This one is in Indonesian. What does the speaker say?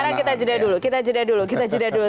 sekarang kita jeda dulu kita jeda dulu kita jeda dulu